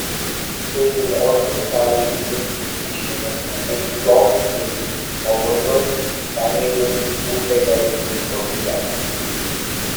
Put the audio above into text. They will also travel in mixed-species feeding flocks with ovenbirds, tanagers, woodpeckers and cotingas.